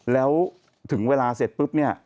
แล้วถึงเวลาเสร็จปุ๊บเนี่ย